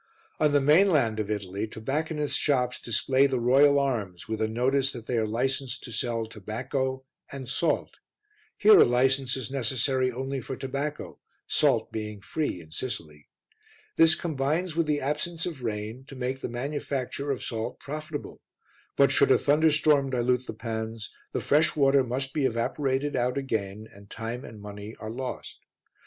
On the mainland of Italy, tobacconists' shops display the Royal Arms with a notice that they are licensed to sell tobacco and salt. Here a license is necessary only for tobacco, salt being free in Sicily. This combines with the absence of rain to make the manufacture of salt profitable; but should a thunderstorm dilute the pans, the fresh water must be evaporated out again and time and money are lost.